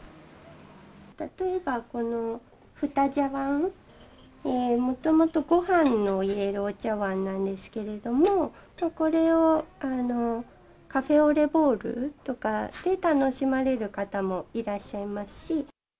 例えば、このふた茶わん、もともとごはんを入れるお茶わんなんですけれども、これをカフェオレボウルとかで楽しまれる方もいらっしゃいますし。